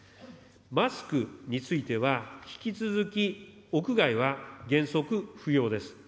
マスクについては、引き続き屋外は原則不要です。